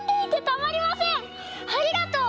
ありがとう！